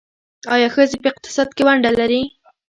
آیا ښځې په اقتصاد کې ونډه لري؟